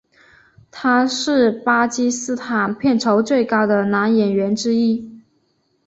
他是巴基斯坦片酬最高的男演员之一。